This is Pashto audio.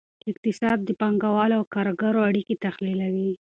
اقتصاد د پانګوالو او کارګرو اړیکې تحلیلوي.